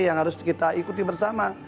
yang harus kita ikuti bersama